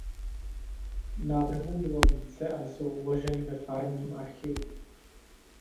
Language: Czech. Návrhů bylo více a jsou uloženy ve farním archivu.